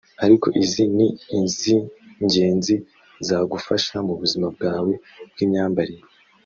ariko izi ni iz’ingenzi zagufasha mu buzima bwawe bw’imyambarire